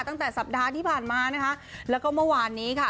ตั้งแต่สัปดาห์ที่ผ่านมานะคะแล้วก็เมื่อวานนี้ค่ะ